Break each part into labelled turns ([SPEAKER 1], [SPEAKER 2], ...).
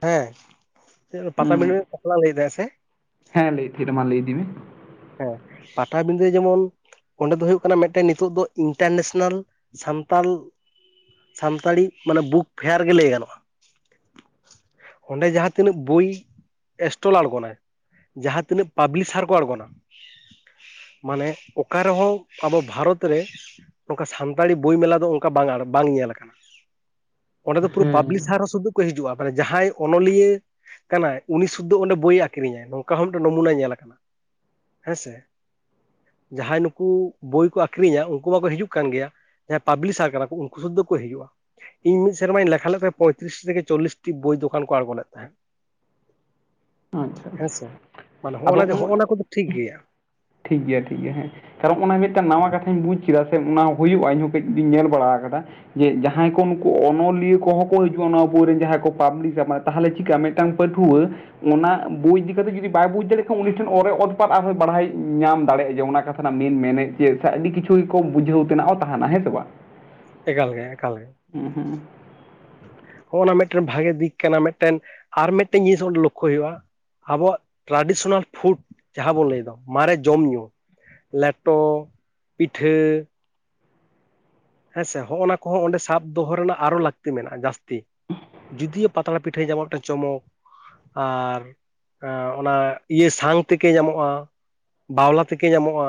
[SPEAKER 1] ᱦᱮᱸ
[SPEAKER 2] ᱦᱩᱸ
[SPEAKER 1] [unintelligible] ᱞᱟᱹᱭ ᱫᱟ ᱥᱮ
[SPEAKER 2] ᱦᱮᱸ ᱞᱟᱹᱭ ᱛᱮᱦᱮ ᱠᱟᱱᱟ ᱞᱟᱹᱭ ᱤᱫᱤ ᱢᱮ ᱾
[SPEAKER 1] ᱦᱮᱸ ᱯᱟᱴᱟᱵᱤᱸᱫᱟᱹ ᱡᱮᱢᱚᱱ ᱚᱸᱰᱮ ᱫᱚ ᱦᱩᱭᱩᱜ ᱠᱟᱱᱟ ᱢᱤᱫᱴᱮᱱ ᱱᱤᱛᱚᱜ ᱫᱚ ᱤᱱᱴᱟᱨᱱᱮᱥᱱᱮᱞ ᱥᱟᱱᱛᱟᱞ ᱥᱟᱱᱛᱟᱲᱤ ᱢᱟᱱᱮ ᱵᱩᱠ ᱯᱷᱮᱭᱟᱨ ᱜᱮ ᱞᱟᱹᱭ ᱜᱟᱱᱚᱜᱼᱟ ᱾ ᱚᱸᱰᱮ ᱡᱟᱦᱟᱸ ᱛᱤᱱᱟᱹᱜ ᱵᱳᱭ ᱮᱥᱴᱚᱞ ᱟᱬᱜᱚᱱᱟ ᱾ ᱡᱟᱦᱟᱸ ᱛᱤᱱᱟᱹᱜ ᱯᱟᱵᱽᱞᱤᱥᱟᱨ ᱠᱚ ᱟᱬᱜᱚᱱᱟ ᱾ ᱢᱟᱱᱮ ᱚᱠᱟ ᱨᱮᱦᱚᱸ ᱟᱵᱚ ᱵᱷᱟᱨᱚᱛ ᱨᱮ ᱚᱱᱠᱟ ᱥᱟᱱᱛᱟᱲᱤ ᱵᱳᱭ ᱢᱮᱞᱟ ᱫᱚ ᱚᱱᱠᱟ ᱵᱟᱝ ᱟᱬ ᱵᱟᱝ ᱧᱮᱞ ᱟᱠᱟᱱᱟ ᱾ ᱚᱸᱰᱮ ᱫᱚ ᱯᱩᱨᱟᱹ
[SPEAKER 2] ᱦᱮᱸ
[SPEAKER 1] ᱯᱟᱵᱽᱞᱤᱥᱟᱨ ᱦᱚᱸ ᱥᱩᱫᱩ ᱠᱚ ᱦᱤᱡᱩᱜᱼᱟ ᱢᱟᱱᱮ ᱡᱟᱦᱟᱸᱭ ᱚᱱᱚᱞᱤᱭᱟᱹ ᱠᱟᱱᱟᱭ ᱩᱱᱤ ᱥᱩᱫᱫᱟ ᱚᱸᱰᱮ ᱵᱳᱭᱮ ᱟᱠᱷᱨᱤᱧᱟᱭ ᱱᱚᱝᱠᱟ ᱦᱚᱸ ᱢᱤᱫᱴᱮᱱ ᱱᱚᱢᱩᱱᱟ ᱧᱮᱞ ᱟᱠᱟᱱᱟ᱾ ᱦᱮᱸᱥᱮ ᱡᱟᱦᱟᱸᱭ ᱱᱩᱠᱩ ᱵᱳᱭ ᱠᱚ ᱟᱠᱷᱨᱤᱧᱟ ᱩᱱᱠᱩ ᱢᱟᱠᱚ ᱦᱤᱡᱩᱜ ᱠᱟᱱ ᱜᱮᱭᱟ ᱾ ᱡᱟᱦᱟᱸᱭ ᱯᱟᱵᱞᱤᱥᱟᱨ ᱠᱟᱱᱟ ᱠᱚ ᱩᱱᱠᱩ ᱥᱩᱫᱽᱫᱷᱟ ᱠᱚ ᱦᱤᱡᱩᱜᱼᱟ ᱾ ᱤᱧ ᱢᱤᱫ ᱥᱮᱨᱢᱟᱧ ᱞᱮᱠᱷᱟ ᱞᱮᱜ ᱠᱚ ᱯᱚᱸᱭᱛᱨᱤᱥ ᱛᱷᱮᱠᱮ ᱪᱚᱞᱞᱤᱥᱴᱤ ᱵᱳᱭ ᱫᱚᱠᱟᱱ ᱠᱚ ᱟᱬᱜᱚ ᱞᱮᱫ ᱛᱟᱦᱮᱸᱜ ᱾
[SPEAKER 2] ᱟᱪᱪᱷᱟ ᱟᱪᱪᱷᱟ ᱾
[SPEAKER 1] ᱦᱮᱸᱥᱮ ᱢᱟᱱᱮ ᱦᱚᱜᱼᱚᱱᱟ ᱫᱚ ᱦᱚᱜᱼᱚᱱᱟ ᱠᱚᱫᱚ ᱴᱷᱤᱠ ᱜᱮᱭᱟ ᱾
[SPEAKER 2] ᱴᱷᱤᱠ ᱜᱮᱭᱟ ᱴᱷᱤᱠ ᱜᱮᱭᱟ ᱦᱮᱸ ᱾ ᱠᱟᱨᱚᱱ ᱚᱱᱟ ᱢᱤᱫᱴᱟᱱ ᱱᱟᱣᱟ ᱠᱟᱛᱷᱟᱧ ᱵᱩᱡᱽ ᱠᱮᱫᱟ ᱥᱮ ᱚᱱᱟ ᱦᱩᱭᱩᱜᱼᱟ ᱤᱧᱦᱚᱸ ᱠᱟᱹᱡ ᱤᱧ ᱧᱮᱞ ᱵᱟᱲᱟ ᱟᱠᱟᱫᱟ ᱾ ᱡᱮ ᱡᱟᱦᱟᱸᱭ ᱠᱚ ᱱᱩᱠᱩ ᱚᱱᱚᱞᱤᱭᱟᱹ ᱠᱚᱦᱚᱸ ᱠᱚ ᱦᱤᱡᱩᱜᱼᱟ ᱱᱚᱣᱟ ᱵᱳᱭ ᱨᱮᱱ ᱡᱟᱦᱟᱸᱭ ᱠᱚ ᱯᱟᱵᱽᱞᱤᱠᱟ ᱢᱟᱱᱮ ᱛᱟᱦᱚᱞᱮ ᱪᱮᱠᱟᱹ ᱟ ᱢᱮᱜᱴᱟᱝ ᱯᱟᱹᱴᱷᱩᱣᱟᱹ ᱚᱱᱟ ᱵᱳᱭ ᱤᱫᱤ ᱠᱟᱛᱮ ᱡᱩᱫᱤ ᱵᱟᱭ ᱵᱩᱡᱽ ᱫᱟᱲᱮᱭᱟᱜ ᱠᱷᱟᱱ ᱩᱱᱤ ᱴᱷᱮᱱ ᱚᱨᱮ ᱚᱨ ᱯᱟᱛ ᱟᱨᱦᱚᱸ ᱯᱟᱲᱦᱟᱣ ᱾ ᱧᱟᱢ ᱫᱟᱲᱮᱭᱟᱜ ᱡᱟᱦᱟᱱᱟᱜ ᱠᱟᱛᱷᱟ ᱨᱮᱱᱟᱜ ᱢᱮᱱ ᱢᱮᱱᱮᱫ ᱪᱮ ᱮᱴᱟᱜ ᱟᱹᱰᱤ ᱠᱤᱪᱷᱩ ᱠᱚ ᱵᱩᱡᱷᱟᱹᱣ ᱛᱮᱱᱟᱜ ᱦᱚᱸ ᱛᱟᱦᱮᱱᱟ ᱦᱮᱸ ᱥᱮ ᱵᱟᱝ? [unintelligible]
[SPEAKER 1] ᱮᱠᱟᱞ ᱜᱮ, ᱮᱠᱟᱞ ᱜᱮ
[SPEAKER 2] ᱦᱩᱸ ᱦᱩᱸ
[SPEAKER 1] ᱾ ᱦᱚᱸ ᱚᱱᱟ ᱢᱮᱜᱴᱮᱱ ᱵᱷᱟᱜᱮ ᱫᱤᱠ ᱠᱟᱱᱟ ᱢᱮᱜᱴᱮᱱ ᱟᱨ ᱢᱮᱜᱴᱮᱱ ᱡᱤᱱᱤᱥ ᱚᱸᱰᱮ ᱞᱚᱠᱠᱷᱚᱭ ᱦᱩᱭᱩᱜᱼᱟ ᱾ ᱟᱵᱚᱣᱟᱜ ᱴᱨᱟᱰᱤᱥᱚᱱᱟᱞ ᱯᱷᱩᱰ ᱡᱟᱦᱟᱸ ᱵᱚᱱ ᱞᱟᱹᱭ ᱫᱟ ᱢᱟᱨᱮ ᱡᱚᱢ ᱧᱩ ᱾ ᱞᱮᱴᱚ, ᱯᱤᱴᱷᱟᱹ ᱾ ᱦᱮᱸ ᱥᱮ ᱦᱚᱜᱼᱱᱟ ᱠᱚᱦᱚᱸ ᱚᱸᱰᱮ ᱥᱟᱵ ᱫᱚᱦᱚ ᱨᱮᱱᱟᱜ ᱟᱨᱚ ᱞᱟᱹᱠᱛᱤ ᱢᱮᱱᱟᱜᱼᱟ ᱡᱟᱹᱥᱛᱤ ᱾ ᱡᱩᱫᱤᱭᱳ ᱯᱟᱛᱲᱟ ᱯᱤᱴᱷᱟᱹ ᱧᱟᱢᱚᱜ ᱢᱤᱫᱴᱮᱱ ᱪᱚᱢᱚᱠ ᱾ ᱟᱨ ᱮ ᱚᱱᱟ ᱤᱭᱟᱹ ᱥᱟᱝ ᱛᱮᱠᱮ ᱧᱟᱢᱚᱜᱼᱟ ᱾ ᱵᱟᱣᱞᱟ ᱛᱤᱠᱮ ᱧᱟᱢᱚᱜᱼᱟ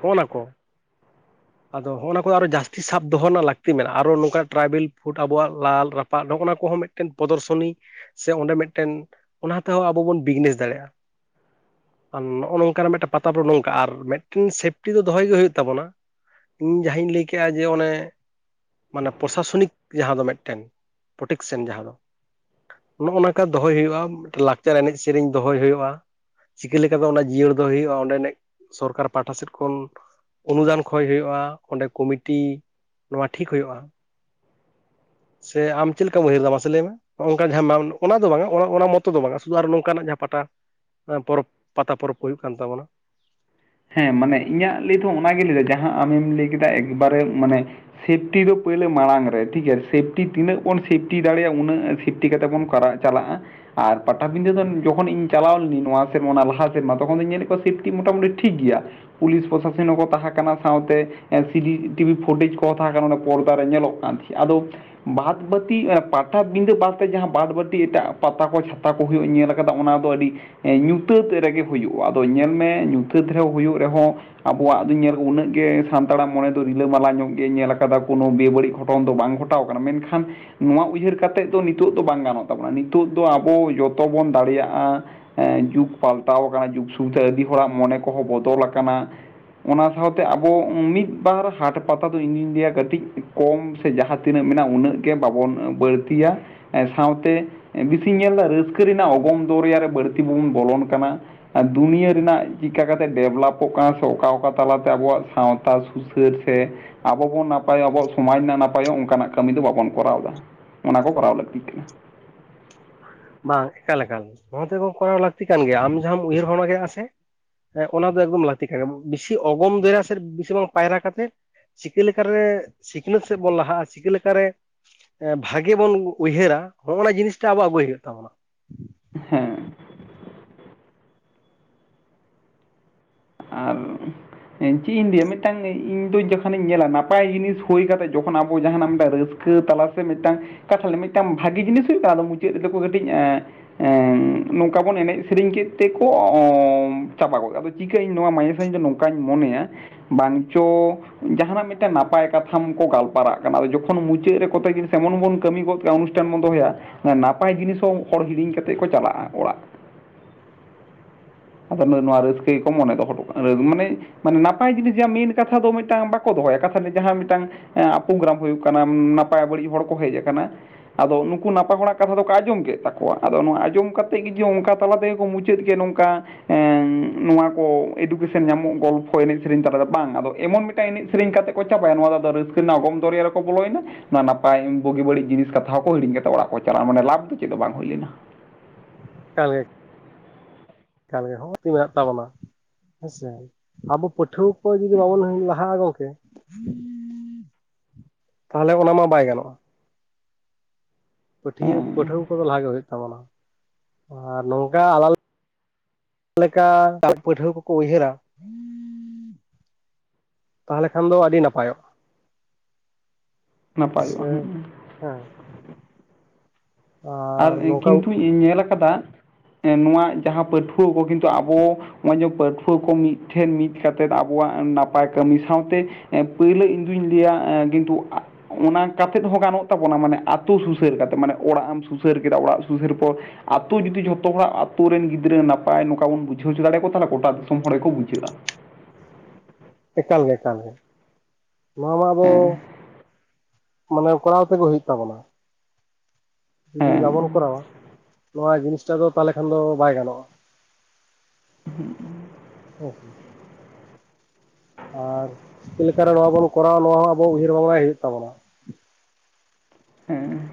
[SPEAKER 1] ᱦᱚᱜᱼᱚ ᱱᱟ ᱠᱚ ᱟᱫᱚ ᱦᱚᱜᱼᱚ ᱱᱟ ᱾ ᱠᱚ ᱟᱨᱚ ᱡᱟᱹᱥᱛᱤ ᱥᱟᱵ ᱫᱚᱦᱚ ᱨᱮᱱᱟᱜ ᱞᱟᱹᱠᱛᱤ ᱢᱮᱱᱟᱜᱼᱟ ᱟᱨᱚ ᱱᱚᱝᱠᱟ ᱴᱨᱟᱭᱵᱮᱞ ᱯᱷᱩᱰ ᱟᱵᱚᱣᱟᱜ ᱞᱟᱞ ᱨᱟᱯᱟᱜ ᱱᱚᱜᱼᱚᱱᱟ ᱠᱚᱦᱚᱸ ᱢᱤᱫ ᱢᱤᱫᱴᱮᱱ ᱯᱚᱫᱚᱨᱥᱚᱱᱤ ᱥᱮ ᱚᱸᱰᱮ ᱢᱤᱫᱴᱮᱱ ᱚᱱᱟ ᱛᱮᱦᱚᱸ ᱟᱵᱚ ᱵᱚᱱ ᱵᱤᱡᱽᱱᱮᱥ ᱫᱟᱲᱮᱭᱟᱜᱼᱟ ᱾ ᱟᱨ ᱱᱚᱜᱼᱚ ᱱᱚᱝᱠᱟᱱᱟᱜ ᱢᱤᱫᱴᱟᱝ ᱯᱟᱛᱟ ᱵᱚ ᱱᱚᱝᱠᱟ ᱟᱨ ᱢᱤᱫᱴᱮᱱ ᱥᱮᱯᱴᱤ ᱫᱚ ᱫᱚᱦᱚᱭ ᱜᱮ ᱦᱩᱭᱩᱜ ᱛᱟᱵᱚᱱᱟ ᱾ ᱡᱟᱦᱟᱧ ᱞᱟᱹᱭ ᱠᱮᱜᱼᱟ ᱡᱮ ᱚᱱᱮ ᱢᱟᱱᱮ ᱯᱨᱚᱥᱟᱥᱚᱱᱤᱠ ᱡᱟᱦᱟᱸ ᱫᱚ ᱢᱮᱫᱴᱮᱱ ᱯᱚᱴᱮᱠᱥᱮᱱ ᱡᱟᱦᱟᱸ ᱫᱚ ᱾ ᱱᱚᱜᱼᱚ ᱱᱟᱠᱟ ᱫᱚᱦᱚᱭ ᱦᱩᱭᱩᱜᱼᱟ ᱢᱤᱫᱴᱮᱱ ᱞᱟᱠᱪᱟᱨ ᱮᱱᱮᱡ ᱥᱮᱨᱮᱧ ᱫᱚᱦᱚᱭ ᱦᱩᱭᱩᱜᱼᱟ ᱾ ᱪᱤᱠᱟᱹ ᱞᱮᱠᱟ ᱛᱮ ᱚᱱᱟ ᱡᱤᱭᱟᱹᱲ ᱫᱚ ᱦᱩᱭᱩᱜᱼᱟ ᱚᱸᱰᱮᱱᱮᱜ ᱥᱚᱨᱠᱟᱨ ᱯᱟᱦᱴᱟ ᱥᱮᱫ ᱠᱷᱚᱱ ᱾ ᱚᱱᱩᱫᱟᱱ ᱠᱷᱚᱭ ᱦᱩᱭᱩᱜᱼᱟ ᱚᱸᱰᱮ ᱠᱚᱢᱤᱴᱤ ᱱᱚᱣᱟ ᱴᱷᱤᱠ ᱦᱩᱭᱩᱜᱼᱟ ᱾ ᱥᱮ ᱟᱢ ᱪᱮᱞᱠᱟᱢ ᱩᱦᱟᱹᱨ ᱫᱟ ᱢᱟᱥᱮ ᱞᱟᱹᱭ ᱢᱮ? ᱦᱚᱸ ᱚᱝᱠᱟ ᱡᱟᱦᱟᱸ ᱱᱟᱢ ᱚᱱᱟ ᱫᱚ ᱵᱟᱝᱼᱟ ᱚᱱᱟ-ᱚᱱᱟ ᱢᱟᱛᱚ ᱫᱚ ᱵᱟᱝᱟ ᱥᱩᱫᱩ ᱟᱨ ᱱᱚᱝᱠᱟᱱᱟᱜ ᱡᱟᱦᱟᱸ ᱯᱟᱴᱟ ᱾ ᱱᱟ ᱯᱚᱨᱚᱵᱽ ᱯᱟᱛᱟ ᱯᱚᱨᱚᱵᱽ ᱠᱚ ᱦᱩᱭᱩᱜ ᱠᱟᱱ ᱛᱟᱵᱚᱱᱟ ᱾
[SPEAKER 2] ᱦᱮᱸ ᱢᱟᱱᱮ ᱤᱧᱟᱹᱜ ᱞᱟᱹᱭ ᱫᱚ ᱚᱱᱟ ᱜᱮᱧ ᱞᱟᱹᱭ ᱫᱟ ᱡᱟᱦᱟᱸ ᱟᱢᱮᱢ ᱞᱟᱹᱭ ᱠᱮᱫᱟ ᱮᱠᱵᱟᱨᱮ ᱢᱟᱱᱮ ᱥᱤᱯᱴᱤ ᱫᱚ ᱯᱳᱭᱞᱳ ᱢᱟᱲᱟᱝ ᱨᱮ ᱴᱷᱤᱠ ᱜᱮᱭᱟ ᱥᱤᱯᱴᱤ ᱛᱤᱱᱟᱹᱜ ᱵᱚᱱ ᱥᱤᱯᱴᱤ ᱫᱟᱲᱮᱭᱟᱜᱼᱟ ᱩᱱᱟᱹᱜ ᱥᱤᱯᱴᱤ ᱠᱟᱛᱮ ᱵᱚᱱ ᱠᱚᱨᱟᱣ ᱪᱟᱞᱟᱜᱼᱟ ᱾ ᱟᱨ ᱯᱟᱴᱟᱵᱤᱸᱫᱟᱹ ᱫᱚ ᱡᱚᱠᱷᱚᱱ ᱤᱧ ᱪᱟᱞᱟᱣ ᱞᱮᱱᱤᱧ ᱱᱚᱣᱟ ᱥᱮᱨᱢᱟ ᱚᱱᱟ ᱞᱟᱦᱟ ᱥᱮᱨᱢᱟ ᱛᱚᱠᱷᱚᱱ ᱫᱚᱧ ᱧᱮᱞᱮᱫ ᱠᱚᱣᱟ ᱥᱤᱯᱴᱤ ᱢᱚᱴᱟᱢᱩ ᱴᱷᱤᱠ ᱜᱮᱭᱟ ᱯᱩᱞᱤᱥ ᱯᱚᱥᱟᱥᱚᱱ ᱦᱚᱸᱠᱚ ᱛᱟᱦᱮᱸ ᱠᱟᱱᱟ ᱥᱟᱶᱛᱮ ᱾ ᱥᱤᱰᱤ ᱴᱤᱵᱷᱤ ᱯᱷᱩᱴᱮᱡᱽ ᱠᱚ ᱛᱟᱦᱮᱸ ᱠᱟᱱᱟ ᱚᱱᱮ ᱯᱚᱨᱫᱟ ᱨᱮ ᱧᱮᱞᱚᱜ ᱠᱟᱱ ᱛᱤᱦᱤᱡ ᱟᱫᱚ ᱵᱟᱫᱽ ᱵᱟᱹᱛᱤ ᱟ ᱯᱟᱴᱷᱟᱟᱵᱤᱫᱟᱹ ᱵᱟᱫ ᱛᱮ ᱡᱟᱦᱟᱸ ᱵᱟᱫᱽ ᱵᱟᱹᱴᱤ ᱮᱴᱟᱜᱼᱟ ᱯᱟᱛᱟ ᱠᱚ ᱪᱷᱟᱛᱟ ᱚᱦᱩᱜ ᱧᱮᱞ ᱟᱠᱟᱫᱟ ᱚᱱᱟ ᱫᱚ ᱟᱹᱰᱤ ᱧᱩᱛᱟᱹᱛ ᱨᱮᱜᱮ ᱦᱩᱭᱩᱜᱼᱟ ᱟᱫᱚ ᱧᱮᱞ ᱢᱮ ᱾ ᱜᱤᱫᱽᱨᱟᱹᱣ ᱦᱩᱭᱩᱜ ᱨᱮᱦᱚᱸ ᱾ ᱟᱵᱚᱣᱟᱜ ᱫᱚᱧ ᱧᱮᱞ ᱩᱱᱟᱹᱜ ᱜᱮ ᱥᱟᱱᱛᱟᱲᱟᱜ ᱢᱚᱱᱮ ᱫᱚ ᱨᱤᱞᱟᱹ ᱢᱟᱞᱟ ᱧᱚᱜ ᱜᱮ ᱧᱮᱞ ᱟᱠᱟᱫᱟ ᱠᱳᱱᱳ ᱵᱮ-ᱵᱟᱹᱲᱤᱡ ᱜᱷᱚᱴᱚᱱ ᱫᱚ ᱵᱟᱝ ᱦᱩᱭ ᱦᱟᱛᱟᱣ ᱠᱟᱱᱟ ᱢᱮᱱᱠᱷᱟᱱ ᱱᱚᱣᱟ ᱩᱭᱦᱟᱹᱨ ᱠᱟᱛᱮᱫ ᱫᱚ ᱱᱤᱛᱚᱜ ᱫᱚ ᱵᱟᱝ ᱜᱟᱱᱚᱜ ᱛᱟᱵᱚᱱᱟ ᱱᱤᱛᱚᱜ ᱫᱚ ᱟᱵᱚ ᱡᱚᱛᱚ ᱵᱚᱱ ᱫᱟᱲᱮᱭᱟᱜᱼᱟ ᱾ ᱮᱸ ᱡᱩᱜᱽ ᱯᱟᱞᱴᱟᱣ ᱠᱟᱱᱟ ᱡᱩᱜᱽ ᱥᱩᱵᱤᱫᱷᱟ ᱟᱹᱰᱤ ᱦᱚᱲᱟᱜ ᱢᱚᱱᱮ ᱠᱚᱦᱚᱸ ᱵᱚᱫᱚᱞ ᱟᱠᱟᱱᱟ ᱚᱱᱟ ᱥᱟᱶᱛᱮ ᱟᱵᱚ ᱢᱤᱫ ᱵᱟᱨ ᱦᱟᱴ ᱯᱟᱛᱟ ᱫᱚ ᱤᱧᱫᱩᱧ ᱞᱟᱹᱭᱟ ᱠᱟᱹᱴᱤᱡ ᱠᱚᱢ ᱥᱮ ᱡᱟᱦᱟᱸ ᱛᱤᱱᱟᱹᱜ ᱢᱮᱱᱟᱜᱼᱟ ᱩᱱᱟᱹᱜ ᱜᱮ ᱵᱟᱵᱚᱱ ᱵᱟᱹᱲᱛᱤᱭᱟ ᱥᱟᱶᱛᱮ ᱵᱮᱥᱤᱧ ᱧᱮᱞᱫᱟ ᱨᱟᱹᱥᱠᱟᱹ ᱨᱮᱱᱟᱜ ᱚᱜᱚᱢ ᱫᱚᱨᱭᱟ ᱨᱮ ᱵᱟᱹᱲᱛᱤ ᱵᱟᱵᱚᱱ ᱵᱚᱞᱚᱱ ᱠᱟᱱᱟ ᱟᱨ ᱫᱩᱱᱭᱟᱹ ᱨᱮᱱᱟᱜ ᱪᱮᱠᱟ ᱠᱟᱛᱮ ᱰᱮᱵᱷᱞᱚᱯᱚᱜ ᱠᱟᱱᱟ ᱥᱮ ᱚᱠᱟ ᱚᱠᱟ ᱛᱟᱞᱟᱛᱮ ᱟᱵᱚᱣᱟᱜ ᱥᱟᱶᱛᱟ ᱥᱩᱥᱟᱹᱨ ᱥᱮ ᱟᱵᱚ ᱵᱚᱱ ᱱᱟᱯᱟᱭᱚᱜ ᱟᱵᱚᱣᱟᱜ ᱥᱚᱢᱟᱡᱽ ᱨᱮᱱᱟᱜ ᱱᱟᱯᱟᱭᱚᱜ ᱚᱱᱠᱟᱱᱟᱜ ᱠᱟᱹᱢᱤ ᱫᱚ ᱵᱟᱵᱚᱱ ᱠᱚᱨᱟᱣᱫᱟ ᱚᱱᱟ ᱠᱚ ᱠᱚᱨᱟᱣ ᱞᱟᱹᱠᱛᱤᱜ ᱠᱟᱱᱟ᱾
[SPEAKER 1] ᱵᱟᱝ ᱮᱠᱟᱞ-ᱮᱠᱟᱞ ᱱᱚᱣᱟ ᱛᱮᱫᱚ ᱠᱚᱨᱟᱣ ᱞᱟᱹᱠᱛᱤ ᱠᱟᱱ ᱜᱮᱭᱟ ᱟᱢ ᱡᱟᱦᱟᱸᱢ ᱩᱭᱦᱟᱹᱨ [unintelligible] ᱠᱟᱜᱼᱟ ᱥᱮ ᱦᱮᱸ ᱚᱱᱟ ᱫᱚ ᱮᱠᱫᱚᱢ ᱞᱟᱹᱛᱤ ᱠᱟ ᱜᱮ ᱵᱮᱥᱤ ᱚᱜᱚᱢ ᱫᱚᱭᱨᱟ ᱥᱮᱫ ᱵᱤᱥᱤ ᱵᱟᱝ ᱯᱟᱭᱨᱟ ᱠᱟᱛᱮ ᱪᱤᱠᱟᱹ ᱞᱮᱠᱟ ᱨᱮ ᱥᱤᱠᱷᱱᱟᱹᱛ ᱥᱮᱫ ᱵᱚᱱ ᱞᱟᱦᱟᱜᱼᱟ ᱪᱤᱠᱟᱹ ᱞᱮᱠᱟ ᱨᱮ? ᱮᱸ ᱵᱷᱟᱜᱮ ᱵᱚᱱ ᱩ-ᱩᱭᱦᱟᱹᱨᱟ ᱦᱚᱜᱼᱚᱱᱟ ᱡᱤᱱᱤᱥ ᱴᱟ ᱟᱵᱚ ᱟᱹᱜᱩᱭ ᱦᱩᱭᱩᱜ ᱛᱟᱵᱚᱱᱟ ᱾
[SPEAKER 2] ᱦᱮᱸ ᱾ ᱟᱨ ᱤᱧ ᱪᱤᱜ ᱤᱧ ᱞᱟᱹᱭᱟ ᱢᱤᱫᱴᱟᱝ ᱤᱧ ᱫᱚ ᱡᱚᱠᱷᱚᱱᱤᱧ ᱧᱮᱞᱟ ᱱᱟᱯᱟᱭ ᱡᱤᱱᱤᱥ ᱦᱩᱭ ᱠᱟᱛᱮ ᱡᱚᱠᱷᱚᱱ ᱟᱵᱚ ᱡᱟᱦᱟᱱᱟᱜ ᱢᱤᱫᱟᱭ ᱨᱟᱹᱥ ᱠᱷᱠᱟᱹ ᱛᱟᱞᱟ ᱥᱮ ᱢᱤᱫᱴᱟᱝ ᱠᱟᱛᱷᱟ ᱢᱟᱱᱮ ᱢᱤᱫᱴᱟᱝ ᱵᱷᱟᱜᱮ ᱡᱤᱱᱤᱥ ᱦᱩᱭᱩᱜ ᱱᱟ ᱟᱫᱚ ᱢᱩᱪᱟᱹᱫ ᱨᱮᱫᱚ ᱠᱚ ᱢᱤᱛᱟᱹᱧ ᱟᱸ ᱱᱚᱝᱠᱟ ᱵᱚᱱ ᱮᱱᱮᱡ ᱥᱮᱨᱮᱧ ᱠᱮᱫ ᱛᱮᱠᱚ ᱪᱟᱵᱟ ᱜᱚᱫᱼᱟ ᱟᱫᱚ ᱪᱤᱠᱟᱹᱟᱹᱧ ᱱᱚᱶᱟ ᱢᱟᱭ ᱥᱟ. ᱧ ᱫᱚ ᱱᱚᱝᱠᱟ ᱚᱱᱠᱟᱧ ᱢᱚᱱᱮᱭᱟ ᱵᱟᱝ ᱪᱚ ᱡᱟᱦᱟᱱᱟᱜ ᱢᱤᱫᱴᱮᱱ ᱱᱟᱯᱟᱭ ᱠᱟᱛᱷᱟᱢ ᱠᱚ ᱜᱟᱞᱯᱟᱨᱟᱜ ᱠᱟᱱᱟ ᱟᱨ ᱡᱚᱠᱷᱚᱱ ᱢᱩᱪᱟᱹᱫ ᱨᱮ ᱠᱚᱛᱮ ᱡᱤᱱᱤᱥ ᱮᱢᱚᱱ ᱵᱚᱱ ᱠᱟᱹᱢᱤ ᱜᱚᱫ ᱠᱮᱥᱟᱱ ᱮᱱ ᱵᱚᱱ ᱫᱚᱦᱚᱭᱟ ᱱᱟᱯᱟᱭ ᱡᱤᱱᱤᱥ ᱦᱚᱸ ᱦᱚᱲ ᱦᱤᱲᱤᱧ ᱠᱟᱛᱮ ᱠᱚ ᱪᱟᱞᱟᱜᱼᱟ ᱚᱲᱟᱜ ᱟᱫᱚ ᱱᱚᱶᱟ ᱨᱟᱹᱥᱠᱟᱹ ᱜᱮ ᱠᱚ ᱢᱚᱱᱮ ᱫᱚ ᱠᱟᱱᱟ ᱢᱟᱱᱮ ᱢᱟᱱᱮ ᱱᱟᱯᱟᱭ ᱡᱤᱱᱤᱥ ᱡᱟᱦᱟᱸᱟ ᱢᱮᱱ ᱠᱟᱛᱷᱟ ᱫᱚ ᱢᱤᱫ ᱴᱟᱝ ᱵᱟᱠᱚ ᱫᱚᱦᱚᱭᱟ ᱠᱟᱛᱷᱟ ᱡᱟᱦᱟᱸ ᱢᱤᱫᱴᱟᱝ ᱟᱯᱳᱜᱨᱟᱢ ᱦᱩᱭᱩᱜ ᱠᱟᱱᱟ ᱱᱟᱯᱟᱭ ᱵᱟᱹᱲᱤᱡ ᱦᱚᱲ ᱠᱚ ᱦᱮᱡ ᱟᱠᱟᱱᱟ ᱟᱫᱚ ᱱᱩᱠᱩ ᱱᱟᱯᱟᱭ ᱦᱚᱲᱱᱟᱜ ᱠᱟᱛᱷᱟ ᱫᱚᱠᱚ ᱟᱸᱡᱚᱢ ᱠᱮᱫ ᱛᱟᱠᱚᱣᱟ ᱟᱫᱚ ᱱᱚᱣᱟ ᱟᱸᱡᱚᱢ ᱠᱟᱛᱮ ᱜᱮ ᱡᱮ ᱚᱱᱠᱟ ᱛᱟᱞᱟ ᱛᱮᱜᱮ ᱢᱩᱪᱟᱹᱫ ᱢᱩᱪᱟᱹᱫ ᱜᱮ ᱱᱚᱝᱠᱟ ᱮᱸ ᱱᱚᱶᱟ ᱠᱚ ᱮᱰᱩᱠᱮᱥᱚᱱ ᱧᱟᱢᱚᱜ ᱜᱚᱞᱯᱷᱚ ᱮᱱᱮᱡ ᱥᱮᱨᱮᱧ ᱛᱟᱞᱮᱛᱮ ᱵᱟᱝ ᱟᱫᱚ ᱮᱢᱚᱱ ᱢᱤᱫᱴᱟᱝ ᱮᱱᱮᱡ ᱥᱮᱨᱮᱧ ᱠᱟᱛᱮ ᱠᱚ ᱪᱟᱵᱟᱭᱟ ᱱᱚᱣᱟ ᱫᱚ ᱟᱫᱚ ᱨᱟᱹᱥᱠᱟᱹ ᱨᱮᱱᱟᱜ ᱚᱜᱚᱢ ᱫᱚᱨᱭᱟ ᱨᱮᱠᱚ ᱵᱚᱞᱚᱭᱮᱱᱟ ᱚᱱᱟ ᱱᱟᱯᱟᱭ ᱵᱩᱜᱤ ᱵᱟᱹᱲᱤᱡ ᱡᱤᱱᱤᱥ ᱠᱟᱛᱷᱟ ᱦᱚᱸᱠᱚ ᱦᱤᱧ ᱠᱟ ᱠᱟᱛᱮᱫ ᱚᱲᱟᱜ ᱠᱚ ᱪᱟᱞᱟᱜᱼᱟ ᱢᱟᱱᱮ ᱞᱟᱵᱷ ᱫᱚ ᱪᱮᱫ ᱵᱟᱝ ᱦᱩᱭ ᱞᱮᱱᱟ
[SPEAKER 1] ᱠᱟᱱ ᱦᱚᱸ [unintelligible] ᱛᱤ ᱢᱮᱱᱟᱜ ᱛᱟᱵᱚᱱᱟ ᱦᱮᱸᱥᱮ ᱟᱵᱚ ᱯᱟᱹᱴᱷᱩᱣᱟᱹ ᱠᱚ ᱡᱚᱫᱤ ᱵᱟᱵᱚᱱ ᱞᱟᱦᱟᱼᱟ ᱜᱚᱝᱠᱮ ᱛᱟᱦᱚᱞᱮ ᱚᱱᱟ ᱢᱟ ᱵᱟᱭ ᱜᱟᱱᱚᱜᱼᱟ ᱯᱟᱹᱴᱭᱟᱹ
[SPEAKER 2] ᱦᱮᱸ
[SPEAKER 1] ᱯᱟᱹᱴᱷᱩᱣᱟᱹ ᱠᱚᱫᱚ ᱞᱟᱦᱟᱜᱮ ᱦᱩᱭᱩᱜ ᱛᱟᱵᱚᱱᱟ ᱟᱨ ᱱᱚᱝᱠᱟ ᱟᱞᱟ ᱞᱮᱠᱟ ᱯᱟᱹᱴᱷᱩᱣᱟᱹ ᱠᱚᱠᱚ ᱩᱭᱦᱟᱹᱨᱟ ᱛᱟᱦᱚᱞᱮ ᱠᱷᱟᱱ ᱫᱚ ᱟᱹᱰᱤ ᱱᱟᱯᱟᱭᱚᱜ ᱥᱮ
[SPEAKER 2] ᱱᱟᱯᱟᱭᱚᱜᱼᱟ ᱦᱮᱸ
[SPEAKER 1] ᱦᱮᱸ
[SPEAKER 2] ᱟᱨ ᱠᱤᱱᱛᱩ ᱧᱮᱞ ᱟᱠᱟᱫᱟ ᱱᱚᱶᱟ ᱡᱟᱦᱟᱸ ᱯᱟᱹᱴᱷᱩᱣᱟᱹ ᱠᱚ ᱠᱤᱱᱛᱩ ᱟᱵᱚ ᱱᱚᱜᱼᱚᱭ ᱡᱮ ᱯᱟᱹᱴᱷᱩᱣᱟᱹ ᱠᱚ ᱢᱤᱫ ᱴᱷᱮᱱ ᱢᱤᱫ ᱠᱟᱛᱮᱫ ᱟᱵᱚᱣᱟᱜ ᱱᱟᱯᱟᱭ ᱠᱟᱹᱢᱤ ᱥᱟᱶᱛᱮ ᱮᱸ ᱯᱳᱭᱞᱳ ᱤᱧᱫᱩᱧ ᱞᱟᱹᱭᱟ ᱮᱸ ᱠᱤᱱᱛᱩ ᱚᱱᱟ ᱠᱟᱛᱮᱫ ᱦᱚᱸ ᱜᱟᱱᱚᱜ ᱛᱟᱵᱚᱱᱟ ᱢᱟᱱᱮ ᱟᱛᱳ ᱥᱩᱥᱟᱹᱨ ᱠᱟᱛᱮᱫ ᱢᱟᱱᱮ ᱚᱲᱟᱜ ᱮᱢ ᱥᱩᱥᱟᱹᱨ ᱠᱮᱫᱟ ᱚᱲᱟᱜ ᱥᱩᱥᱟᱹᱨ ᱯᱚᱨ ᱟᱛᱳ ᱡᱩᱫᱤ ᱡᱷᱚᱛᱚ ᱦᱚᱲᱟᱜ ᱟ ᱟᱹᱛᱩᱳ ᱨᱮᱱ ᱜᱤᱫᱽᱨᱟᱹ ᱱᱟᱯᱟᱭ ᱱᱚᱝᱠᱟ ᱵᱚᱱ ᱵᱩᱡᱷᱟᱹᱣᱪᱚ ᱫᱟᱲᱮᱭᱠᱩᱣᱟ ᱛᱟᱦᱚᱞᱮ ᱜᱚᱴᱟ ᱫᱤᱥᱚᱢ ᱦᱚᱲ ᱜᱮᱠᱚ ᱵᱩᱡᱷᱟᱹᱜᱼᱟ
[SPEAKER 1] ᱮᱠᱟᱞ ᱮᱠᱟᱞ ᱜᱮ ᱱᱚᱶᱟ ᱢᱟ ᱟᱵᱚ
[SPEAKER 2] ᱦᱮᱸ
[SPEAKER 1] ᱢᱟᱱᱮ ᱠᱚᱨᱟᱣ ᱛᱮᱜᱮ ᱦᱩᱭᱩᱜ ᱛᱟᱵᱚᱱᱟ ᱡᱩᱫᱤ
[SPEAKER 2] ᱦᱮᱸ
[SPEAKER 1] ᱵᱟᱵᱚᱱ ᱠᱚᱨᱟᱣᱟ ᱱᱚᱶᱟ ᱡᱤᱱᱤᱥ ᱴᱟᱜ ᱫᱚ ᱛᱟᱦᱚᱞᱮ ᱠᱷᱟᱱ ᱫᱚ ᱵᱟᱭ ᱜᱟᱱᱚᱜᱼᱟ [inaudible] ᱦᱮᱸ ᱥᱮ ᱟᱨ ᱪᱮᱫ ᱞᱮᱠᱟ ᱨᱮ ᱱᱚᱶᱟ ᱵᱚᱱ ᱠᱚᱨᱟᱣᱟ ᱱᱚᱶᱟ ᱦᱚᱸ ᱟᱵᱚ ᱩᱭᱦᱟᱹᱨ ᱵᱷᱟᱵᱟᱭ ᱦᱩᱭᱩᱜ ᱛᱟᱵᱚᱱᱟ
[SPEAKER 2] ᱦᱮᱸ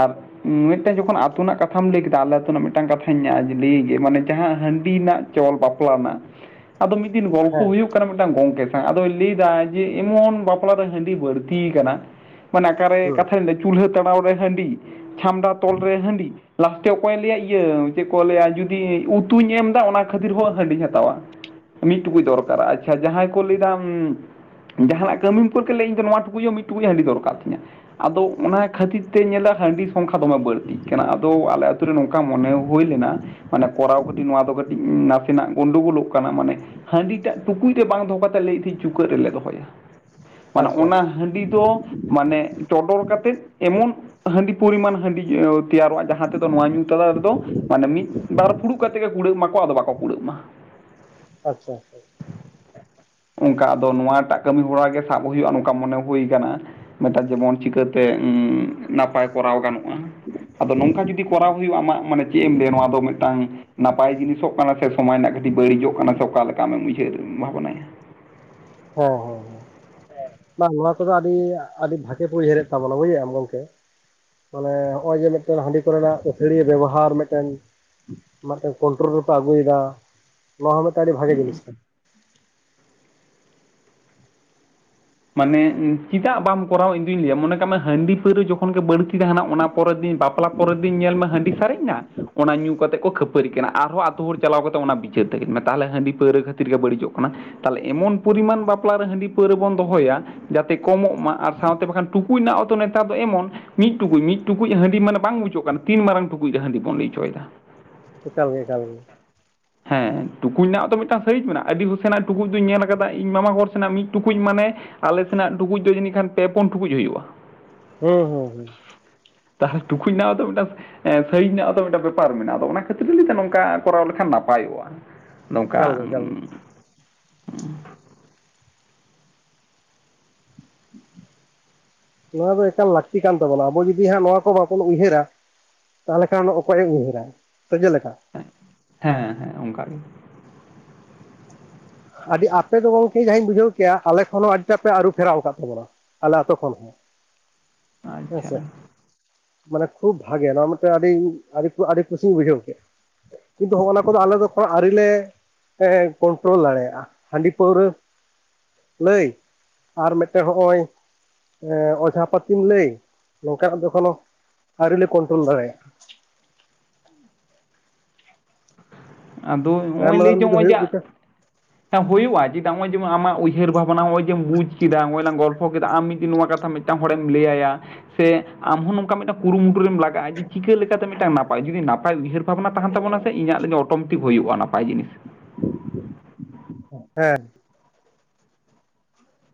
[SPEAKER 2] ᱟᱨ ᱢᱤᱫ ᱴᱟᱝ ᱡᱚᱠᱷᱚᱱ ᱟᱛᱳ ᱨᱮᱱᱟᱜ ᱠᱟᱛᱷᱟᱢ ᱞᱟᱹᱭ ᱠᱮᱫᱟ ᱟᱞᱮ ᱟᱛᱳ ᱨᱮᱱᱟᱜ ᱢᱤᱫ ᱴᱟᱝ ᱠᱟᱛᱷᱟᱧ ᱞᱟᱹᱭ ᱜᱮ ᱢᱟᱱᱮ ᱡᱟᱦᱟᱸ ᱦᱟᱺᱰᱤ ᱱᱟᱜ ᱠᱮᱵᱚᱞ ᱵᱟᱯᱞᱟ ᱨᱮᱱᱟᱜ ᱟᱫᱚ ᱢᱤᱫ ᱫᱤᱱ ᱜᱚᱞᱯᱚ
[SPEAKER 1] ᱦᱮᱸ
[SPEAKER 2] ᱦᱩᱭᱩᱜ ᱠᱟᱱᱟ ᱢᱤᱫᱴᱟᱝ ᱜᱚᱝᱠᱮ ᱥᱟᱶ ᱟᱫᱚᱭ ᱞᱟᱹᱭᱫᱟ ᱡᱮ ᱮᱢᱚᱱ ᱵᱟᱯᱞᱟ ᱫᱚ ᱦᱟᱺᱰᱤ ᱵᱟᱹᱲᱛ ᱟᱠᱟᱱᱟ ᱢᱟᱱᱮ ᱚᱠᱟᱨᱮ
[SPEAKER 1] ᱦᱩᱸ
[SPEAKER 2] ᱠᱟᱛᱷᱟᱧ ᱞᱟᱹ ᱪᱩᱞᱦᱟᱹ ᱛᱟᱲᱟᱣ ᱨᱮ ᱦᱟᱺᱰᱤ ᱪᱷᱟᱢᱰᱟ ᱛᱚᱞ ᱨᱮ ᱦᱟᱺᱰᱤ ᱞᱟᱥᱴᱮ ᱚᱠᱚᱭᱮ ᱞᱟᱹᱭᱟ ᱤᱭᱟᱹ ᱪᱮᱫ ᱠᱚ ᱞᱟᱹᱭᱟ ᱡᱩᱫᱤ ᱩᱛᱩᱧ ᱮᱢᱫᱟ ᱚᱱᱟ ᱠᱷᱟᱹᱛᱤᱨ ᱦᱚᱸ ᱦᱟᱺᱰᱤᱧ ᱦᱟᱛᱟᱣᱟ ᱢᱤᱫ ᱴᱩᱠᱩᱡ ᱫᱚᱨᱠᱟᱨᱟ ᱟᱪᱷᱟ ᱡᱟᱦᱟᱸᱭ ᱠᱚ ᱞᱟᱹᱭᱫᱟ ᱡᱟᱦᱟᱱᱟᱜ ᱠᱟᱹᱢᱤᱚᱨᱮ [unintelligible] ᱞᱟᱹᱭ ᱤᱧ ᱫᱚ ᱱᱚᱶᱟ ᱴᱩᱠᱩᱡ ᱦᱚᱸ ᱢᱤᱫ ᱴᱩᱡ ᱦᱟᱹᱞᱤ ᱫᱚᱨᱠᱟᱨ ᱛᱤᱧᱟᱹ ᱟᱫᱚ ᱚᱱᱟ ᱠᱷᱟᱹᱛᱤᱨ ᱛᱮ ᱧᱮᱞᱟ ᱦᱟᱺᱰᱤ ᱥᱚᱝᱠᱷᱟ ᱫᱚᱢᱮ ᱵᱟᱹᱲᱛᱤᱜ ᱠᱟᱱᱟ ᱟᱫᱚ ᱟᱞᱮ ᱟᱛᱳ ᱨᱮ ᱱᱚᱝᱠᱟ ᱢᱚᱱᱮ ᱦᱩᱭ ᱞᱮᱱᱟ ᱢᱟᱱᱮ ᱠᱚᱨᱟᱣ ᱠᱟᱹᱴᱤᱡ ᱱᱚᱣᱟ ᱫᱚ ᱠᱟᱹᱴᱤᱡ ᱱᱟᱥᱮᱱᱟᱜ ᱜᱩᱱᱰᱳ ᱜᱩᱞᱚᱜ ᱠᱟᱱᱟ ᱢᱟᱱᱮ ᱦᱟᱺᱰᱤ ᱴᱟᱜ ᱴᱩᱠᱩᱡ ᱨᱮ ᱵᱟᱝ ᱫᱚᱦᱚ ᱠᱟᱛᱮᱫ ᱞᱟᱹᱭ ᱛᱟᱦᱮᱸᱱᱟᱹᱧ ᱪᱩᱠᱟᱹᱜ ᱨᱮᱞᱮ ᱫᱚᱦᱚᱭᱟ ᱢᱟᱱᱮ
[SPEAKER 1] ᱟᱪᱪᱷᱟ
[SPEAKER 2] ᱚᱱᱟ
[SPEAKER 1] ᱟᱪᱪᱷᱟ
[SPEAKER 2] ᱦᱟᱺᱰᱤ ᱫᱚ ᱢᱟᱱᱮ ᱪᱚᱰᱚᱨ ᱠᱟᱛᱮᱫ ᱮᱢᱚᱱ ᱦᱟᱺᱰᱤ ᱯᱚᱨᱤᱢᱟᱱ ᱦᱟᱺᱰᱤ ᱛᱮᱭᱟᱨᱚᱜᱼᱟ ᱡᱟᱦᱟᱸ ᱛᱮᱫᱚ ᱱᱚᱣᱟ ᱧᱩ ᱛᱟᱞᱟ ᱨᱮᱫᱚ ᱢᱟᱱᱮ ᱢᱤᱫ ᱵᱟᱨ ᱯᱷᱩᱲᱩᱜ ᱠᱟᱛᱮ ᱜᱮ ᱠᱩᱲᱟᱹᱜ ᱢᱟᱠᱚ ᱟᱫᱚ ᱵᱟᱠᱚ ᱠᱩᱲᱟᱹᱜ ᱢᱟ
[SPEAKER 1] ᱟᱪᱷᱟ ᱟᱪᱷᱟ
[SPEAKER 2] [inaudible] ᱚᱱᱠᱟ ᱟᱫᱚ ᱱᱚᱶᱟ ᱴᱟᱜ ᱠᱟᱹᱢᱤ ᱦᱚᱨᱟ ᱜᱮ ᱥᱟᱵ ᱦᱩᱭᱩᱜᱼᱟ ᱱᱚᱝᱠᱟ ᱢᱚᱱᱮ ᱦᱩᱭ ᱠᱟᱱᱟ ᱢᱤᱫ ᱴᱟᱜ ᱡᱮᱢᱚᱱ ᱪᱤᱠᱟᱹᱛᱮ ᱩᱸ ᱱᱟᱯᱟᱭ ᱠᱚᱨᱟᱣ ᱜᱟᱱᱚᱜᱼᱟ? ᱟᱫᱚ ᱱᱚᱝᱠᱟ ᱡᱩᱫᱤ ᱠᱚᱨᱟᱣ ᱦᱩᱭᱩᱜᱼᱟ ᱟᱢᱟᱜ ᱢᱟᱱᱮ ᱪᱮᱫ ᱮᱢ ᱞᱟᱹᱭᱟ ᱱᱚᱣᱟ ᱫᱚ ᱢᱤᱫᱴᱟᱝ ᱱᱟᱯᱟᱭ ᱡᱤᱱᱤᱥᱚᱜ ᱠᱟᱱᱟ ᱥᱮ ᱥᱚᱢᱟᱡᱽ ᱨᱮᱱᱟᱜ ᱠᱟᱹᱴᱤᱡ ᱵᱟᱹᱲᱤᱡᱚᱜ ᱠᱟᱱᱟ ᱥᱮ ᱚᱠᱟ ᱞᱮᱠᱟ ᱟᱢᱮᱢ ᱩᱭᱦᱟᱹᱨ ᱵᱷᱟᱵᱽᱱᱟᱭᱟ
[SPEAKER 1] ᱚ ᱦᱚ ᱦᱚ ᱵᱟᱝ ᱱᱚᱣᱟ ᱠᱚᱫᱚ ᱟᱹᱰᱤ ᱟᱹᱰᱤ ᱵᱷᱟᱜᱮ ᱯᱮ ᱩᱭᱦᱟᱹᱨ ᱮᱫ ᱛᱟᱵᱚᱱᱟ ᱵᱩᱡ ᱫᱟᱢ ᱜᱚᱢᱠᱮ ᱢᱟᱱᱮ ᱦᱚᱜᱼᱚᱭ ᱡᱮ ᱢᱮᱫᱴᱮᱱ ᱦᱟᱺᱰᱤ ᱠᱚᱨᱮᱱᱟᱜ ᱟᱹᱛᱷᱟᱹᱲᱤᱭᱟᱹ ᱵᱮᱵᱚᱦᱟᱨ ᱢᱮᱫ ᱴᱮᱱ ᱢᱮᱫᱴᱮᱱ ᱠᱚᱱᱴᱨᱳᱞ ᱨᱮᱠᱚ ᱟᱹᱜᱩᱭ ᱫᱟ ᱱᱚᱣᱟ ᱦᱚᱸ ᱢᱮᱫᱴᱮᱱ ᱟᱹᱰᱤ ᱵᱷᱟᱜᱮ ᱡᱤᱱᱤᱥ ᱠᱟᱱᱟ
[SPEAKER 2] ᱢᱟᱱᱮ ᱪᱮᱫᱟᱜ ᱵᱟᱢ ᱠᱚᱨᱟᱣ ᱤᱧ ᱫᱩᱧ ᱞᱟᱹᱭᱟ ᱢᱚᱱᱮ ᱠᱟᱜ ᱢᱮ ᱦᱟᱺᱰᱤ ᱯᱟᱹᱣᱨᱟᱹ ᱡᱚᱠᱷᱚᱱ ᱜᱮ ᱵᱟᱹᱲᱛᱤ ᱛᱟᱸᱦᱮᱱᱟ ᱚᱱᱟ ᱯᱚᱨᱮ ᱫᱤᱱ ᱵᱟᱯᱞᱟ ᱯᱚᱨᱮᱨ ᱫᱤᱱ ᱧᱮᱞ ᱢᱮ ᱦᱟᱺᱰᱤ ᱥᱟᱨᱮᱡ ᱮᱱᱟ ᱚᱱᱟ ᱧᱩ ᱠᱟᱛᱮ ᱠᱚ ᱠᱷᱟᱹᱯᱟᱹᱨᱤ ᱠᱟᱱᱟ ᱟᱨᱦᱚᱸ ᱟᱛᱳ ᱦᱚᱲ ᱪᱟᱞᱟᱣ ᱠᱟᱛᱮ ᱚᱱᱟ ᱵᱤᱪᱟᱹᱨ ᱛᱟᱹᱠᱤᱱ ᱢᱮ ᱛᱟᱦᱚᱞᱮ ᱦᱟᱺᱰᱤ ᱯᱟᱹᱣᱨᱟᱹ ᱠᱷᱟᱹᱛᱤᱨ ᱜᱮ ᱵᱟᱹᱲᱤᱡᱚᱜ ᱠᱟᱱᱟ ᱛᱟᱦᱚᱞᱮ ᱮᱢᱚᱱ ᱯᱚᱨᱤᱢᱟᱱ ᱵᱟᱯᱞᱟ ᱨᱮ ᱦᱟᱺᱰᱤ ᱯᱟᱹᱣᱨᱟᱹ ᱵᱚᱱ ᱫᱚᱦᱚᱭᱟ ᱡᱟᱛᱮ ᱠᱚᱢᱚᱜ ᱢᱟ ᱟᱨ ᱥᱟᱶᱛᱮ ᱵᱟᱠᱷᱟᱱ ᱴᱩᱠᱩᱡ ᱨᱮᱱᱟᱜ ᱦᱚᱸᱛᱚ ᱱᱮᱛᱟᱨ ᱫᱚ ᱮᱢᱚᱱ ᱢᱤᱫ ᱴᱩᱠᱩᱡ ᱢᱤᱫ ᱴᱩᱠᱩᱡ ᱦᱟᱺᱰᱤ ᱢᱟᱱᱮ ᱵᱟᱝ ᱵᱩᱡᱟᱹᱜ ᱠᱟᱱᱟ ᱛᱤᱱ ᱢᱟᱨᱟᱝ ᱴᱩᱠᱩᱡ ᱜᱮ ᱦᱟᱺᱰᱤ ᱵᱚᱱ ᱞᱟᱹᱭ ᱪᱚᱭ ᱫᱟ
[SPEAKER 1] ᱮᱠᱟᱞ ᱜᱮ ᱮᱠᱟᱞ ᱜᱮ
[SPEAKER 2] [inaudible] ᱦᱮᱸ ᱴᱩᱠᱩᱡ ᱨᱮᱱᱟᱜ ᱦᱚᱛᱚ ᱢᱤᱫᱴᱟᱝ ᱥᱟᱭᱤᱡ ᱢᱮᱱᱟᱜᱼᱟ ᱟᱹᱰᱤ ᱥᱮᱱᱟᱜ ᱴᱩᱠᱩᱡ ᱫᱚᱧ ᱧᱮᱞ ᱠᱟᱫᱟ ᱤᱧ ᱢᱟᱢᱟ ᱦᱚᱲ ᱥᱮᱱᱟᱜ ᱢᱤᱫ ᱴᱩᱠᱩᱡ ᱢᱟᱱᱮ ᱟᱞᱮ ᱥᱮᱱᱟᱜ ᱴᱩᱠᱩᱡ ᱫᱚ ᱡᱟᱹᱱᱤᱡ ᱠᱷᱟᱱ ᱯᱮ ᱯᱩᱱ ᱴᱩᱠᱩᱡ ᱦᱩᱭᱩᱜᱼᱟ
[SPEAKER 1] ᱦᱩᱸ ᱦᱩᱸ ᱦᱩᱸ
[SPEAKER 2] ᱛᱟᱦᱚᱞᱮ ᱴᱩᱠᱩᱡ [inaudible] ᱥᱟᱭᱤᱡ ᱨᱮᱱᱟᱜ ᱦᱚᱛᱚ ᱢᱤᱫᱴᱟᱝ ᱵᱮᱯᱟᱨ ᱢᱮᱱᱟᱜᱼᱟ ᱟᱫᱚ ᱚᱱᱟ ᱠᱷᱟᱹᱛᱤᱨ [inaudible] ᱱᱚᱝᱠᱟ ᱠᱚᱨᱟᱣ ᱞᱮᱠᱷᱟᱱ ᱱᱟᱯᱟᱭᱚᱜᱼᱟ ᱱᱚᱝᱠᱟ
[SPEAKER 1] ᱮᱠᱟᱞ ᱜᱮ ᱮᱠᱟᱞ ᱜᱮ
[SPEAKER 2] ᱦᱩᱸ [inaudible]
[SPEAKER 1] ᱱᱚᱣᱟ ᱫᱚ ᱮᱠᱟᱞ ᱞᱟᱹᱠᱛᱤ ᱠᱟᱱ ᱛᱟᱵᱚᱱᱟ ᱟᱵᱚ ᱡᱩᱫᱤ ᱦᱟᱸᱜ ᱱᱚᱣᱟ ᱠᱚ ᱵᱟᱵᱚᱱ ᱩᱭᱦᱟᱹᱨᱟ ᱛᱟᱦᱚᱞᱮ ᱠᱷᱟᱱ ᱚᱠᱚᱭᱮ ᱩᱭᱦᱟᱹᱨᱟ ᱥᱮ ᱪᱮ ᱞᱮᱠᱟ
[SPEAKER 2] ᱦᱮᱸ ᱦᱮᱸ ᱚᱱᱠᱟᱜᱮ
[SPEAKER 1] ᱟᱹᱰᱤ ᱟᱯᱮ ᱫᱚ ᱜᱚᱢᱠᱮ ᱡᱟᱦᱟᱸᱧ ᱵᱩᱡᱷᱟᱹᱣ ᱠᱮᱭᱟ ᱟᱞᱮ ᱠᱷᱚᱱ ᱦᱚᱸ ᱟᱹᱰᱤ ᱯᱮ ᱟᱹᱨᱩ ᱯᱷᱮᱨᱟᱣ ᱠᱟᱫ ᱛᱟᱵᱚᱱᱟ ᱟᱞᱮ ᱟᱹᱛᱳ ᱠᱷᱚᱱ ᱦᱚᱸ ᱦᱮᱸ
[SPEAKER 2] ᱟᱪᱪᱷᱟ
[SPEAKER 1] ᱥᱮ ᱢᱟᱱᱮ ᱠᱷᱩᱵ ᱵᱷᱟᱜᱮ ᱱᱚᱣᱟ ᱢᱤᱫᱴᱮᱱ ᱟᱹᱰᱤᱧ ᱟᱹᱰᱤ ᱟᱹᱰᱤ ᱠᱩᱥᱤᱧ ᱵᱩᱡᱷᱟᱹᱣ ᱠᱮᱫᱼᱟ ᱠᱤᱱᱛᱩ ᱦᱚᱜ ᱱᱚᱣᱟ ᱠᱚᱫᱚ ᱟᱞᱮ ᱠᱚᱫᱚ ᱟᱹᱣᱨᱤ ᱞᱮ ᱦᱮᱸ ᱠᱚᱱᱴᱨᱳᱞ ᱫᱟᱲᱮᱭᱟᱜᱼᱟ ᱦᱟᱺᱰᱤ ᱯᱟᱹᱣᱨᱟᱹ ᱞᱟᱹᱭ ᱟᱨ ᱢᱤᱫᱴᱮᱱ ᱦᱚᱸᱜᱼᱚᱭ ᱚᱡᱷᱟ ᱯᱟᱹᱛᱤᱢ ᱞᱟᱹᱭ ᱱᱚᱝᱠᱟᱱᱟᱜ ᱫᱚ ᱮᱠᱷᱚᱱᱳ ᱟᱹᱣᱨᱤ ᱞᱮ ᱠᱚᱱᱴᱨᱳᱞ ᱫᱟᱲᱮᱭᱟᱜᱼᱟ
[SPEAKER 2] ᱟᱫᱚ ᱱᱚᱜᱼᱚᱭ
[SPEAKER 1] ᱛᱟᱭᱚᱢ
[SPEAKER 2] ᱞᱟᱹᱭ
[SPEAKER 1] ᱫᱟᱨᱟᱢ
[SPEAKER 2] [inaudible]
[SPEAKER 1] ᱡᱩᱫᱤ ᱦᱩᱭᱩᱜ ᱜᱮᱪᱚ
[SPEAKER 2] ᱦᱩᱭᱩᱜᱼᱟ ᱪᱤᱫᱟ ᱱᱚᱜᱼᱚᱭ ᱡᱮ ᱟᱢᱟᱜ ᱩᱭᱦᱟᱹᱨ ᱵᱷᱟᱵᱽᱱᱟ ᱱᱚᱜᱼᱚᱭ ᱡᱮ ᱵᱩᱡ ᱠᱮᱫᱟ ᱱᱚᱜ ᱚᱭ ᱞᱟᱝ ᱜᱚᱞᱯᱚ ᱠᱮᱫᱟ ᱟᱢ ᱢᱤᱫ ᱫᱤᱱ ᱱᱚᱣᱟ ᱠᱟᱛᱷᱟᱢ [inaudible] ᱢᱤᱫᱴᱟᱝ ᱦᱚᱲᱮᱢ ᱞᱟᱹᱭᱟ ᱭᱟ ᱥᱮ ᱟᱢ ᱦᱚᱸ ᱱᱚᱝᱠᱟ ᱢᱤᱫᱴᱟᱝ ᱠᱩᱨᱩᱢᱩᱴᱩ ᱨᱮᱢ ᱞᱟᱜᱟᱜᱼᱟ ᱡᱮ ᱪᱤᱠᱟᱹ ᱞᱮᱠᱟᱛᱮ ᱢᱤᱫᱴᱟᱝ ᱱᱟᱯᱟᱭ ᱡᱩᱫᱤ ᱱᱟᱯᱟᱭ ᱩᱭᱦᱟᱹᱨ ᱵᱷᱟᱵᱽᱱᱟ ᱛᱟᱸᱦᱮᱱ ᱛᱟᱵᱚ ᱱᱟᱥᱮ ᱤᱧᱟᱹᱜ ᱞᱟᱹᱜᱤᱫ ᱚᱴᱚᱢᱮᱴᱤᱠ ᱦᱩᱭᱩᱜᱼᱟ ᱱᱟᱯᱟᱭ ᱡᱤᱱᱤᱥ
[SPEAKER 1] [inaudible] ᱦᱮᱸ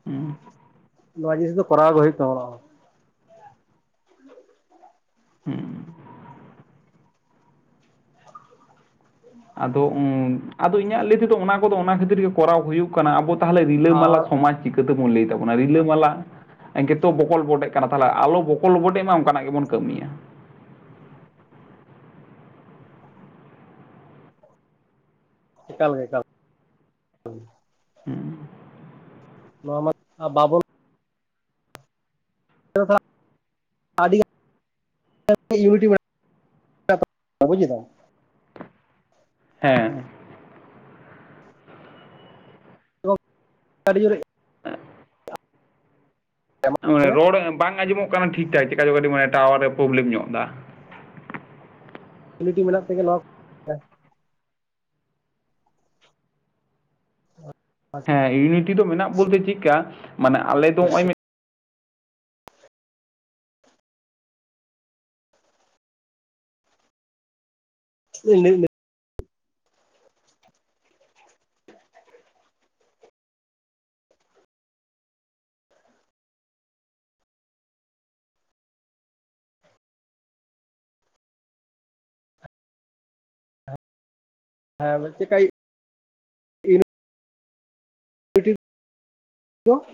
[SPEAKER 2] ᱦᱩᱸ
[SPEAKER 1] ᱱᱚᱣᱟ ᱡᱤᱱᱤᱥ ᱫᱚ ᱠᱚᱨᱟᱣ ᱜᱮ ᱦᱩᱭᱩᱜ ᱛᱟᱵᱚᱱᱟ
[SPEAKER 2] ᱦᱩᱸ᱾
[SPEAKER 1] [inaudible]
[SPEAKER 2] ᱟᱫᱚ ᱩᱸ ᱟᱫᱚ ᱤᱧᱟᱜ ᱞᱟᱹᱭ ᱛᱮᱫᱚ ᱚᱱᱟ ᱠᱚᱫᱚ ᱚᱱᱟ ᱠᱷᱟᱹᱛᱤᱨ ᱜᱮ ᱠᱚᱨᱟᱣᱼᱼ ᱠᱟᱱᱟ ᱟᱵᱚ ᱛᱟᱦᱚᱞᱮ ᱨᱤᱞᱟᱹ ᱢᱟᱞᱟ
[SPEAKER 1] ᱟᱨ
[SPEAKER 2] ᱥᱚᱢᱟᱡᱽ ᱪᱤᱠᱟᱹ ᱛᱮᱵᱚᱱ ᱞᱟᱹᱭ ᱛᱟᱵᱚᱱᱟ ᱨᱤᱞᱟᱹ ᱢᱟᱞᱟᱼᱼ ᱮᱸ ᱜᱮᱛᱚ ᱵᱚᱠᱚᱞ ᱵᱚᱰᱮᱜ ᱠᱟᱱᱟ ᱛᱟᱦᱚᱞᱮ ᱟᱞᱚ ᱵᱚᱠᱚᱞ ᱵᱚᱰᱮᱮᱜ ᱢᱟ ᱚᱱᱠᱟ ᱱᱟᱜ ᱜᱮᱵᱚᱱ ᱠᱟᱹᱢᱤᱭᱟ᱾
[SPEAKER 1] ᱮᱠᱟᱞ ᱜᱮ ᱮᱠᱟᱞ᱾
[SPEAKER 2] ᱦᱩᱸ᱾
[SPEAKER 1] ᱱᱚᱣᱟ ᱢᱟ ᱵᱟᱵᱚᱱ᱾ [inaudible] ᱟᱰᱤ ᱜᱟᱼᱼ [inaudible]
[SPEAKER 2] ᱦᱮᱸ᱾
[SPEAKER 1] ᱟᱰᱤ ᱡᱩᱨ ᱜᱮ᱾
[SPEAKER 2] [inaudible] ᱚ ᱢᱟᱱᱮ ᱨᱚᱲ ᱵᱟᱝ ᱟᱸᱡᱚᱢᱚᱜ ᱠᱟᱱᱟ ᱴᱷᱤᱠ ᱴᱷᱟᱠ ᱪᱤᱠᱟ ᱪᱚ ᱠᱟᱹᱴᱤᱡ ᱢᱟᱱᱮ ᱴᱟᱣᱟᱨ ᱨᱮ ᱯᱨᱚᱵᱮᱞᱮᱢ ᱧᱚᱜ ᱫᱟ᱾
[SPEAKER 1] ᱤᱭᱩᱱᱤᱴᱤ ᱢᱮᱱᱟᱜ ᱛᱮᱜᱮ ᱱᱚᱶᱟ ᱠᱚᱼᱼ
[SPEAKER 2] ᱦᱮᱸ ᱤᱭᱩᱱᱤᱴᱤ ᱫᱚ ᱢᱮᱱᱟᱜ ᱵᱚᱞ ᱛᱮ ᱪᱤᱫᱠᱟ ᱢᱟᱱᱮ ᱟᱞᱮ ᱫᱚ ᱱᱚᱜ-ᱚᱸᱭᱼᱼ
[SPEAKER 1] ᱤᱧ ᱞᱟᱹᱭ ᱞᱟᱹᱼᱼ ᱦᱮᱸ ᱵᱮᱱ ᱪᱤᱠᱟᱭ? ᱰᱚ᱾